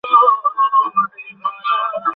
মায়ের কথার উত্তরে সে অবিশ্বাসের সুরে বলিল, ইঃ!